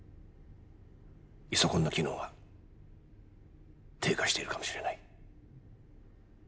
イソコンの機能が低下しているかもしれない。